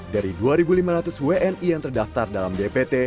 dari dua lima ratus wni yang terdaftar dalam dpt